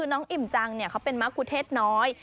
น้องอิ่มจังเขาเป็นมะกุเทศน้อย